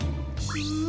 うん？